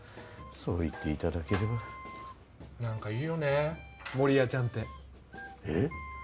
そう言っていただければ何かいいよね守屋ちゃんってえっ？